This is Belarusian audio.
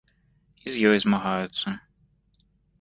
І з ёй змагаюцца.